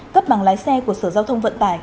cấp bằng lái xe của sở giao thông vận tải